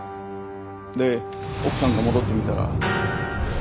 で奥さんが戻ってみたら。